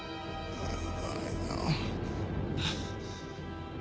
ああ。